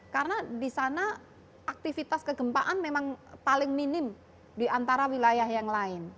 karena di sana aktivitas kegempaan memang paling minim di antara wilayah yang lain